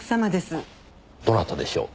どなたでしょう？